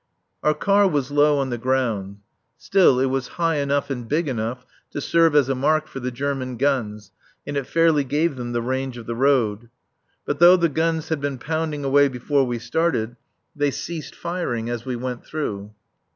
Our car was low on the ground; still, it was high enough and big enough to serve as a mark for the German guns and it fairly gave them the range of the road. But though the guns had been pounding away before we started, they ceased firing as we went through.